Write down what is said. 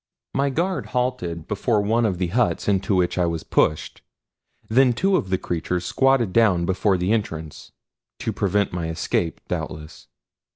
My guard halted before one of the huts into which I was pushed; then two of the creatures squatted down before the entrance to prevent my escape, doubtless.